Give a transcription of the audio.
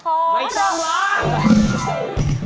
ไม่ต้องล้าง